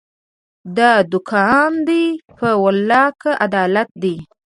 دا دوکان دی، په والله که عدالت دی